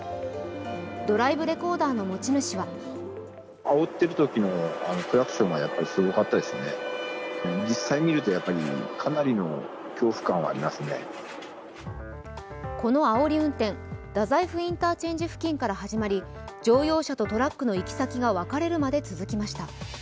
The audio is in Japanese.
ドライブレコーダーの持ち主はこのあおり運転太宰府インターチェンジ付近から始まり乗用車とトラックの行き先が分かれるまで続きました。